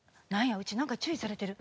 うちなんか注意されてる。